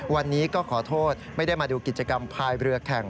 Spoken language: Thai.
วันนี้ก็ขอโทษไม่ได้มาดูกิจกรรมพายเรือแข่ง